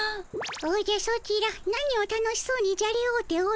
おじゃソチら何を楽しそうにじゃれおうておるのかの？